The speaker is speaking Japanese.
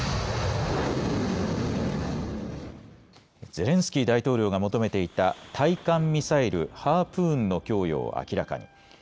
ゼレンスキー大統領が求めていた対艦ミサイル、ハープーンの供与を明らかに。